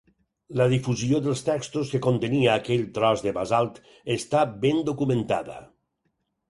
La difusió dels textos que contenia aquell tros de basalt està ben documentada.